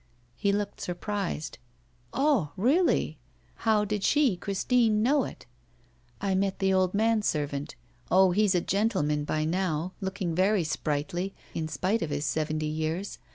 He looked surprised. Ah! really? How did she, Christine, know it? 'I met the old man servant. Oh, he's a gentleman by now, looking very sprightly, in spite of his seventy years.